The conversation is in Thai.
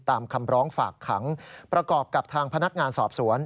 ตามคำร้องฝากขังประกอบกับทางพนักงานสอบสวน